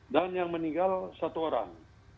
dan yang meninggal satu orang